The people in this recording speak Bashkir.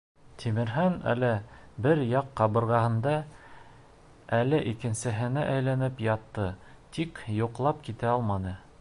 Тимерхан әле бер яҡ ҡабырғаһына, әле икенсеһенә әйләнеп ятты, тик йоҡлап китә алманы.